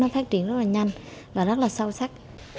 nó phát triển rất là nhanh và rất là sâu sắc